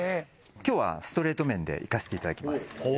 今日はストレート麺でいかしていただきます